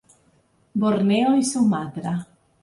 Borneo i Sumatra.